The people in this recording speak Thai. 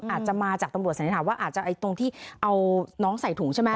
อาจจะมาจากตำรวจสันนิษฐานว่าอาจจะตรงที่เอาน้องใส่ถุงใช่ไหม